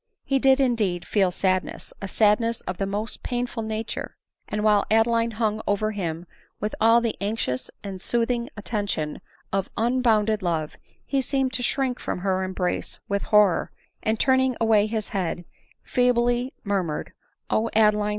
He did indeed feel sadness — a sad ness of the most painful nature ; and while Adeline bung ov£r him with all the anxious and soothing attention of unbounded love, he seemed to shrink "from her embrace 188 ADELINE MOWBRAY. with horror, and, turning away his head, feebly murmur ed, " O Adeline